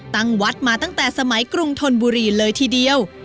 ตั้งวัดมาตั้งแต่สมัยกรุงธนบุรีเลยทีเดียว